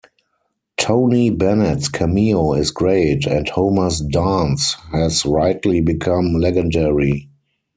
Tony Bennett's cameo is great, and Homer's dance has rightly become legendary.